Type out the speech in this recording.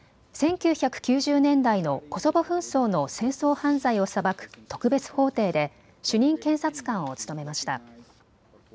１９９０年代代のコソボ紛争の戦争犯罪を裁く特別法廷で主任検察官を務めました。